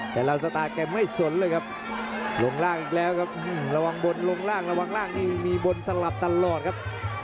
แต่เราสไตล์แกไม่สนเลยครับลงล่างอีกแล้วครับระวังบนลงล่างระวังล่างนี่มีบนสลับตลอดครับ